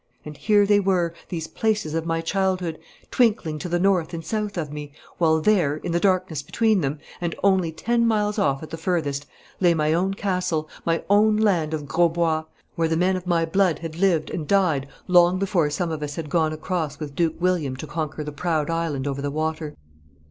And here they were, these places of my childhood, twinkling to the north and south of me, while there, in the darkness between them, and only ten miles off at the furthest, lay my own castle, my own land of Grosbois, where the men of my blood had lived and died long before some of us had gone across with Duke William to conquer the proud island over the water.